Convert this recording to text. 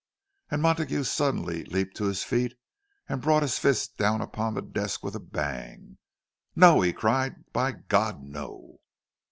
And Montague suddenly leaped to his feet, and brought his fist down upon the desk with a bang. "No!" he cried; "by God, no!"